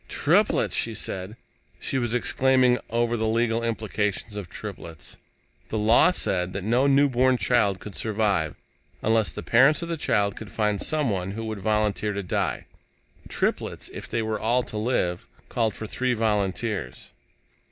"Triplets!" she said. She was exclaiming over the legal implications of triplets. The law said that no newborn child could survive unless the parents of the child could find someone who would volunteer to die. Triplets, if they were all to live, called for three volunteers.